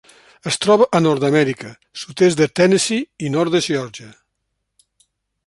Es troba a Nord-amèrica: sud-est de Tennessee i nord de Geòrgia.